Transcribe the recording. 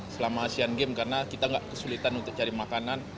selama asian games karena kita tidak kesulitan untuk cari makanan